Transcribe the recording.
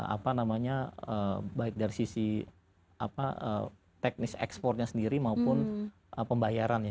apa namanya baik dari sisi teknis ekspornya sendiri maupun pembayaran ya